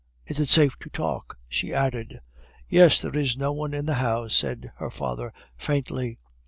Is it safe to talk?" she added. "Yes, there is no one in the house," said her father faintly.